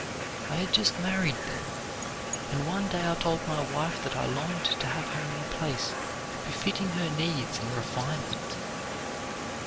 I had just married then, and one day I told my wife that I longed to have her in a place befitting her needs and refinement.